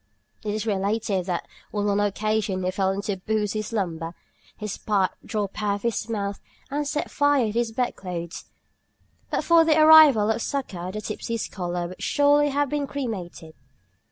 It is related that on one occasion he fell into a boosy slumber, his pipe dropped out of his mouth and set fire to the bed clothes. But for the arrival of succor the tipsy scholar would surely have been cremated.